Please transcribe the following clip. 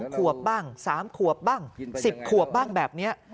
ขวบบ้าง๓ขวบบ้าง๑๐ขวบบ้างแบบนี้